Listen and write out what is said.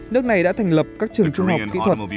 nước này đã thành lập các trường trung học kỹ thuật